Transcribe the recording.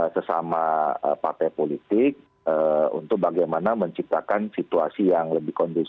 sesama partai politik untuk bagaimana menciptakan situasi yang lebih kondusif